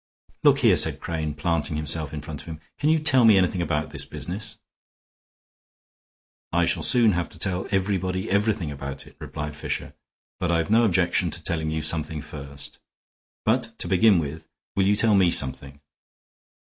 "Look here," said Crane, planting himself in front of him, "can you tell me anything about this business?" "I shall soon have to tell everybody everything about it," replied Fisher, "but I've no objection to telling you something first. But, to begin with, will you tell me something?